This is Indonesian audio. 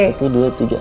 satu dua tiga